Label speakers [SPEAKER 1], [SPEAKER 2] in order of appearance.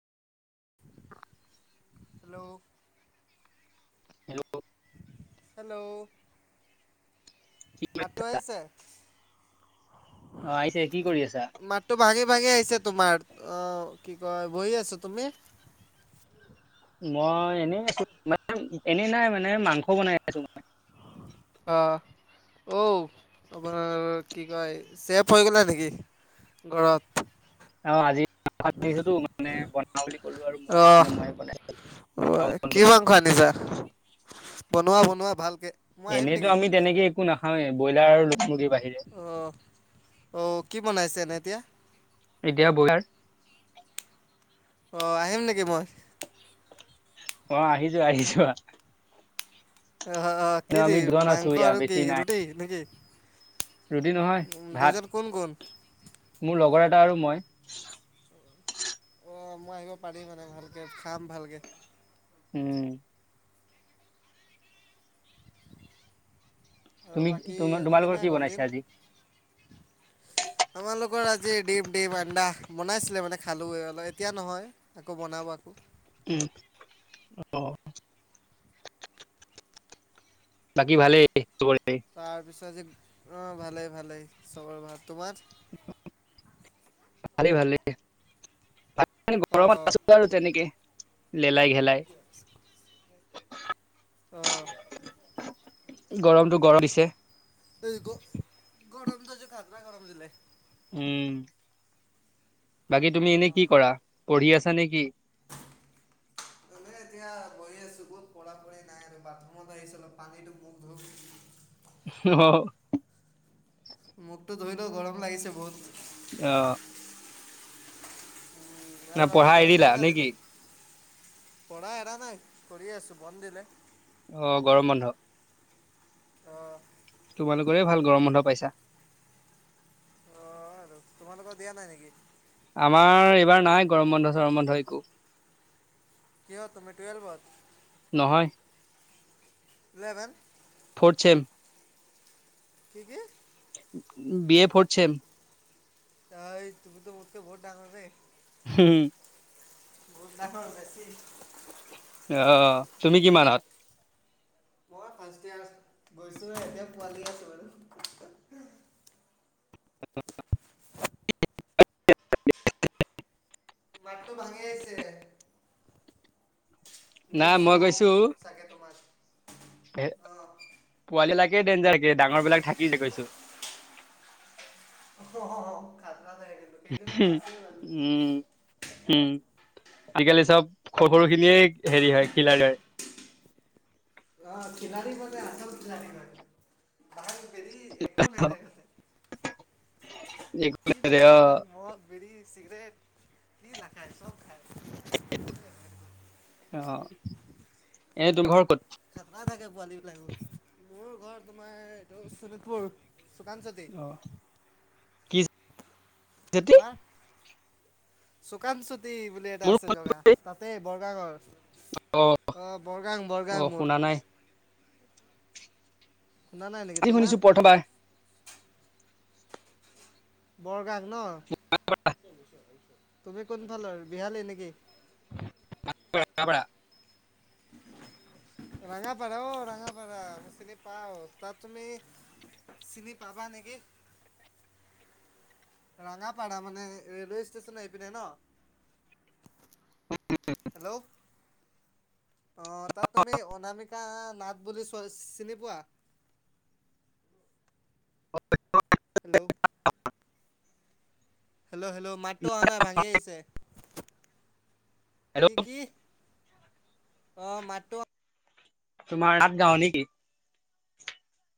[SPEAKER 1] [unintelligible]
[SPEAKER 2] Hello.
[SPEAKER 1] Hello.
[SPEAKER 2] Hello.
[SPEAKER 1] কি কৰি
[SPEAKER 2] মাতটো
[SPEAKER 1] আছা?
[SPEAKER 2] আহিছে।
[SPEAKER 1] অ আহিছে কি কৰি আছা?
[SPEAKER 2] মাতটো ভাঙি ভাঙি আহিছে তোমাৰ। আহ কি কয় বহি আছো তুমি।
[SPEAKER 1] মই এনেই আছো মে এনেই নাই মানে মাংস বনাই আছো মই।
[SPEAKER 2] আহ। অঔ আপোনাৰ কি কয় চেফ হৈ গলা নেকি? ঘৰত।
[SPEAKER 1] অ আজি। ছো মানে বনা বুলি কলো আৰু মই
[SPEAKER 2] অহ
[SPEAKER 1] সেইকাৰে মই বনাই ব ম।
[SPEAKER 2] কি মাংস আনিছা? বনোৱা বনোৱা ভালকে মই আহিম
[SPEAKER 1] এনেইতো
[SPEAKER 2] নেকি?
[SPEAKER 1] আমি তেনেকে একো না। হয় ব্ৰইলাৰ আৰু লগ।
[SPEAKER 2] অ অ কি বনাইছে এনে এতিয়া।
[SPEAKER 1] এতিয়া বইলাৰ।
[SPEAKER 2] অ আহিম নেকি মই।
[SPEAKER 1] অ আহিযোৱা আহি যোৱা।
[SPEAKER 2] অ অ
[SPEAKER 1] এনে
[SPEAKER 2] কি দি
[SPEAKER 1] আমি দুজন আছো
[SPEAKER 2] মাংস
[SPEAKER 1] ইয়া
[SPEAKER 2] আৰু
[SPEAKER 1] বেছি
[SPEAKER 2] কি
[SPEAKER 1] নাই
[SPEAKER 2] ৰুটি নেকি?
[SPEAKER 1] ৰুটি নহয়
[SPEAKER 2] দুইজন কোন কোন?
[SPEAKER 1] ভাত, মোৰ লগৰ এটা আৰু মই।
[SPEAKER 2] অ মই আহিব পাৰি মানে ভালকে খাম ভালকে।
[SPEAKER 1] উম।
[SPEAKER 2] আৰু
[SPEAKER 1] তুমি
[SPEAKER 2] বাকী
[SPEAKER 1] ত
[SPEAKER 2] আজি কেনে
[SPEAKER 1] তোমালোকৰ কি
[SPEAKER 2] গ'ল দিন?
[SPEAKER 1] বনাইছা আজি?
[SPEAKER 2] আমালোকৰ আজি ডিম, ডিম আন্দা। বনাইছিলে মানে খালো। অল এতিয়া নহয় আকৌ বনাব আকৌ।
[SPEAKER 1] উম অ। বাকী ভালেই? চবৰে
[SPEAKER 2] তাৰ পিছত আজি, অ ভালেই-ভালেই। চবৰে ভাল। তোমাৰ?
[SPEAKER 1] ভালেই-ভালেই।
[SPEAKER 2] অঁ
[SPEAKER 1] গৰমত
[SPEAKER 2] অঁ
[SPEAKER 1] আছো আৰু তেনেকে। লেলাই ঘেলাই।
[SPEAKER 2] অ।
[SPEAKER 1] গৰমতটো গৰম দিছে।
[SPEAKER 2] এই গ গৰম তজ খাতৰা গৰম দিলে।
[SPEAKER 1] উম বাকী তুমি এনে কি কৰা? পঢ়ি আছা নে কি? [inaudible]
[SPEAKER 2] মানে এতিয়া বহি আছো। ক'ত পঢ়া পঢ়ি নাই আৰু বাথৰুমত আহিছোঁ অলপ পানীটো মুখ ধুম।
[SPEAKER 1] অ অ।
[SPEAKER 2] মুখটো ধুই লও, গৰম লাগিছে বহুত।
[SPEAKER 1] অ।
[SPEAKER 2] আৰু
[SPEAKER 1] ন
[SPEAKER 2] বাকী
[SPEAKER 1] পঢ়া
[SPEAKER 2] গৰম
[SPEAKER 1] এৰিলা
[SPEAKER 2] কেনেকুৱা
[SPEAKER 1] নে
[SPEAKER 2] দিলে
[SPEAKER 1] কি?
[SPEAKER 2] পঢ়া এৰা নাই। পৰিয়ে আছো, বন দিলে।
[SPEAKER 1] অ, গৰম বন্ধ।
[SPEAKER 2] অঁ
[SPEAKER 1] তোমালোকৰে ভাল গৰম বন্ধ পাইছা।
[SPEAKER 2] অঁ তোমালোকৰ দিয়া নাই নেকি?
[SPEAKER 1] আমাৰ এইবাৰ নাই গৰম বন্ধ চৰম বন্ধ একো।
[SPEAKER 2] কিহত তুমি টুুৱেলভত?
[SPEAKER 1] নহয়
[SPEAKER 2] ইলেভেন।
[SPEAKER 1] Fourth sem.
[SPEAKER 2] কি কি?
[SPEAKER 1] B A fourth sem.
[SPEAKER 2] অই এইটো বস্তু বহুত ডাঙৰ দেই।
[SPEAKER 1] হুম।
[SPEAKER 2] [unintelligible]
[SPEAKER 1] অ' তুমি কিমানত?
[SPEAKER 2] মই ফাৰ্ষ্ট ইয়ৰ গৈছোঁহে এতিয়াও পোৱালি আছো আৰু।
[SPEAKER 1] [unintelligible]
[SPEAKER 2] মাতটো ভাঙি আহিছে।
[SPEAKER 1] নাই
[SPEAKER 2] নেট
[SPEAKER 1] মই
[SPEAKER 2] শ্ল'
[SPEAKER 1] গৈছো
[SPEAKER 2] চাগে তোমাৰ, অ।
[SPEAKER 1] কে ডেঞ্জাৰ কে ডাঙৰ বিলাক থাকি গৈছো।
[SPEAKER 2] [unintelligible] কেইদিনমান
[SPEAKER 1] উম,
[SPEAKER 2] আছে বাৰু
[SPEAKER 1] উম, উম আজিকালি চব সৰু সৰু কি [unintelligible] হেৰি হয় [unintelligible]
[SPEAKER 2] অ খিলাৰী মানে আছল খিলাৰি মানে [unintelligible] হেৰি একো নেদেখালে।
[SPEAKER 1] [unintelligible] অ।
[SPEAKER 2] চিগৰেট, কি নাখায়? চব খায়।
[SPEAKER 1] [unintelligible] এনে তোৰ ঘৰ ক'ত?
[SPEAKER 2] খাতৰা থাকে পোৱালী বিলাক [unintelligible] মোৰ ঘৰ তোমাৰ এইটো চোণিতপুৰ।
[SPEAKER 1] অ
[SPEAKER 2] [unintelligible]
[SPEAKER 1] [unintelligible]
[SPEAKER 2] চুকান চুতি বুলি এটা
[SPEAKER 1] মোৰ
[SPEAKER 2] আছে জগা
[SPEAKER 1] ফোন
[SPEAKER 2] তাতে বৰগা ঘৰ। অ' বৰগাং
[SPEAKER 1] অ
[SPEAKER 2] বৰগাং মোৰ।
[SPEAKER 1] শুনা নাই
[SPEAKER 2] শুনা নাই নেকি?
[SPEAKER 1] আজি
[SPEAKER 2] তোমাৰ?
[SPEAKER 1] শুনিছো প্ৰথমবাৰ
[SPEAKER 2] বৰগাং ন? তুমি কোনফালৰ বিহালীৰ নেকি?
[SPEAKER 1] [unintelligible] ৰাঙাপাৰা। [inaudible]
[SPEAKER 2] ৰাঙাপাৰা অ ৰাঙাপাৰা চিনি পাওঁ। ‌ তাত তুমি চিনি পাবা নেকি? ৰঙাপাৰা মানে ৰেলৱে ষ্টেচন সেইপিনে ন? হেল্ল'। অ' তাত তুমি অনামিকা নাথ বুলি চৱাল চিনি পোৱা?
[SPEAKER 1] [unintelligible]
[SPEAKER 2] হেল্ল'। হেল্ল' হেল্ল', মাতটো অহা নাই ভাঙি আহিছে। কি
[SPEAKER 1] হেল্ল'
[SPEAKER 2] কি? অ' মাতটো
[SPEAKER 1] তোমাৰ সাত গাও নে কি?